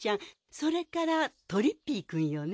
それからとりっぴいくんよね。